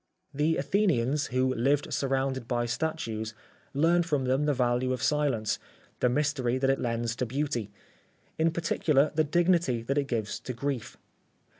The Athenians, who lived surrounded by statues, learned from them the value of silence, the mystery that it lends to beauty, in particular the dignity that it gives to grief.